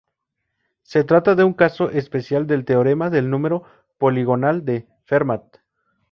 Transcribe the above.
Se trata de un caso especial del teorema del número poligonal de Fermat.